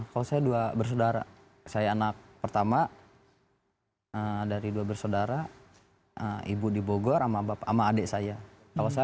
kalau saya dua bersaudara saya anak pertama dari dua bersaudara ibu di bogor sama adik saya kalau saya